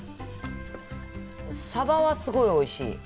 サバはすごいおいしい。